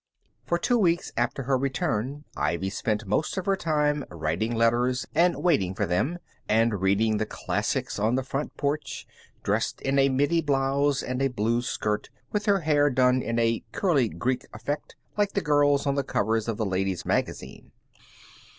For two weeks after her return Ivy spent most of her time writing letters and waiting for them, and reading the classics on the front porch, dressed in a middy blouse and a blue skirt, with her hair done in a curly Greek effect like the girls on the covers of the Ladies' Magazine.